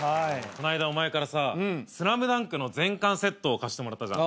この間お前からさ『ＳＬＡＭＤＵＮＫ』の全巻セットを貸してもらったじゃん。